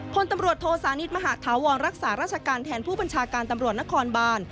พลตำรวจโทสานิทมหาธาวรรักษาราชการแทนผู้บัญชาการตำรวจนครบาน